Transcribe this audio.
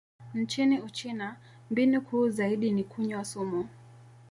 Nchini Uchina, mbinu kuu zaidi ni kunywa sumu.